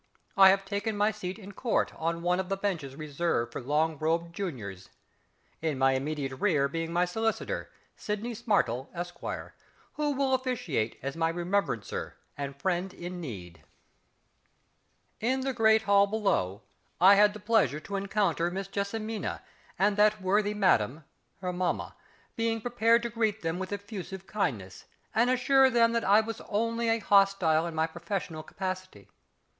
I have taken my seat in Court on one of the benches reserved for long robed juniors; in my immediate rear being my solicitor, SIDNEY SMARTLE, Esq., who will officiate as my Remembrancer and Friend in Need. [Illustration: "FRESH AS A DAISY, AND FINE AS A CARROT FRESH SCRAPED."] In the Great Hall below I had the pleasure to encounter Miss JESSIMINA and that worthy Madam her Mamma, being prepared to greet them with effusive kindness, and assure them I was only a hostile in my professional capacity.